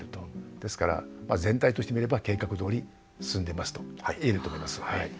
ですから全体として見れば計画どおり進んでますと言えると思います。